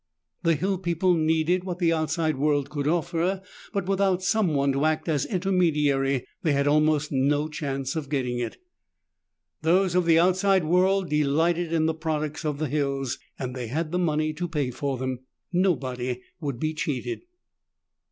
The hill people needed what the outside world could offer, but without someone to act as intermediary, they had almost no chance of getting it. Those of the outside world delighted in the products of the hills, and they had the money to pay for them. Nobody would be cheated.